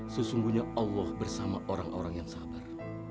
sesungguhnya allah bersama orang orang yang sabar